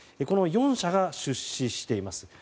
この４社が出資しています。